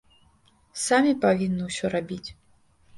Самі павінны ўсё рабіць.